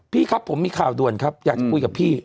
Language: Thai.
พี่ครับผมมีข่าวด่วนครับอยากจะคุยกับพี่